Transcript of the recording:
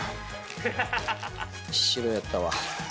白やったわ。